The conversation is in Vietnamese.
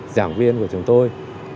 giảng viên của chúng tôi